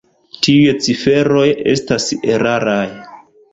Tiuj ciferoj estas eraraj.